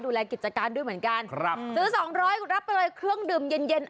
ดูแลกิจการด้วยเหมือนกันครับซื้อ๒๐๐บาทรับประโยชน์เครื่องดื่มเย็น